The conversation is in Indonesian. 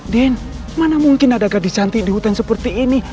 den mana mungkin ada gadis cantik di hutan seperti ini